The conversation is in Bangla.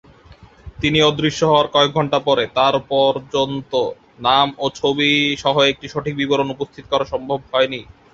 তিনি অদৃশ্য হওয়ার কয়েক ঘন্টা পরে তার পর্যন্ত নাম ও ছবি সহ একটি সঠিক বিবরণ উপস্থিত করা সম্ভব হয়নি।